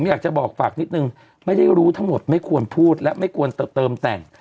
อยากจะบอกฝากนิดนึงไม่ได้รู้ทั้งหมดไม่ควรพูดและไม่ควรเติมแต่ง